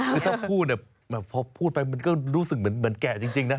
คือถ้าพูดเนี่ยพอพูดไปมันก็รู้สึกเหมือนแก่จริงนะ